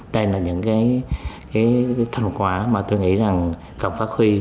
đây là những cái thành quả mà tôi nghĩ rằng cộng phát huy